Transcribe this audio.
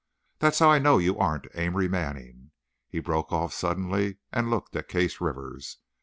That's how I know you aren't Amory Manning," he broke off suddenly and looked at Case Rivers.